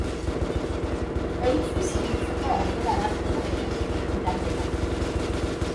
Ontziz ibiltzeko aukera ematen du ekainetik irailera.